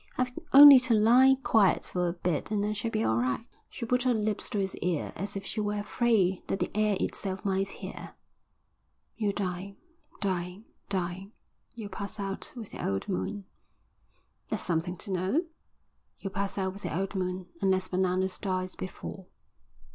I've only to lie quiet for a bit and I shall be all right." She put her lips to his ear as if she were afraid that the air itself might hear. "You're dying, dying, dying. You'll pass out with the old moon." "That's something to know." "You'll pass out with the old moon unless Bananas dies before."